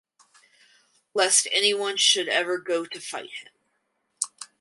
Lest anyone should ever go to fight him.